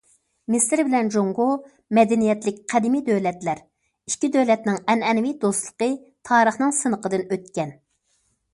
مىسىر بىلەن جۇڭگو مەدەنىيەتلىك قەدىمىي دۆلەتلەر، ئىككى دۆلەتنىڭ ئەنئەنىۋى دوستلۇقى تارىخنىڭ سىنىقىدىن ئۆتكەن.